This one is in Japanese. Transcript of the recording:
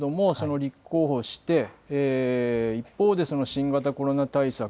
立候補をして一方で新型コロナ対策